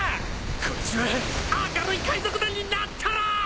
こっちは明るい海賊団になったらぁ！